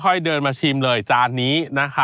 ค่อยเดินมาชิมจานนี้